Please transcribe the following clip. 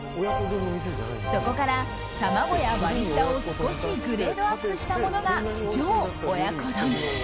そこから卵や割り下を少しグレードアップしたものが上親子丼。